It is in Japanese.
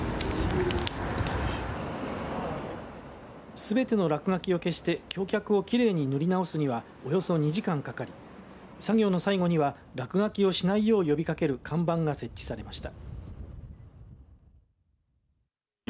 すべての落書きを消して橋脚をきれいに塗り直すにはおよそ２時間かかり作業の最後には落書きをしないよう呼びかける看板が設置されました。